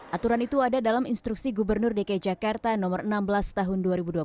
aturan itu ada dalam instruksi gubernur dki jakarta no enam belas tahun dua ribu dua puluh